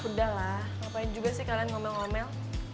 udah lah gapapa juga sih kalian ngomel ngomel